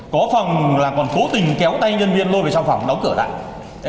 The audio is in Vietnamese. có phòng là còn cố tình kéo tay nhân viên lôi về trong phòng đóng cửa lại